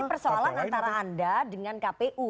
persoalan antara anda dengan kpu